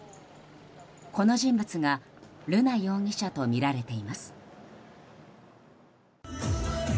この人物が瑠奈容疑者とみられています。